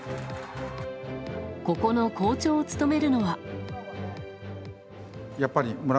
ここの校長を務めるのは。